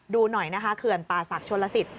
ดูหน่อยนะคะเขื่อนป่าศักดิชนลสิต